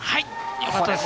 よかったです。